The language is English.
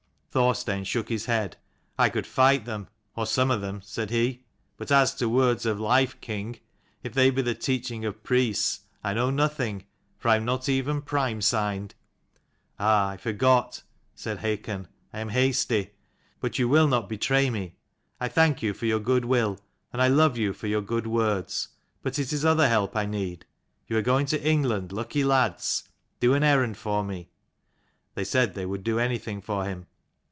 Thorstein shook his head. " I could fight them, or some of them," said he. "But as to words of life, king, if they be the teaching of priests, I know nothing, for I am not even prime signed." "Ah, I forgot," said Hakon. But you will not betray me. I your good will, and I love you for your good words : but it is other help I need. You are going to England, lucky lads. Do an errand for me." They said they would do anything for him.